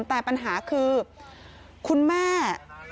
แต่ปัญหาคือคุณแม่